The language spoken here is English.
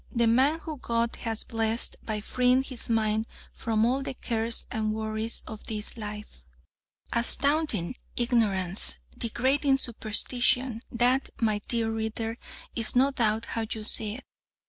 The man whom God has blessed by freeing his mind from all the cares and worries of this life. Astounding ignorance! Degrading superstition! That, my dear reader, is no doubt how you see it.